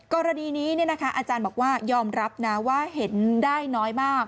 กรณีนี้อาจารย์บอกว่ายอมรับนะว่าเห็นได้น้อยมาก